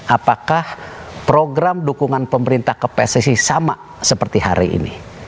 apakah program dukungan pemerintah ke pssi sama seperti hari ini